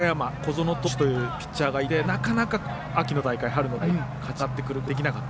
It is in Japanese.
和歌山、小園投手というピッチャーがいてなかなか秋の大会、春の大会勝ち上がってくることができなかった。